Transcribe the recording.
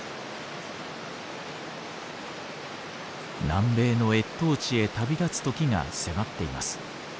南米の越冬地へ旅立つ時が迫っています。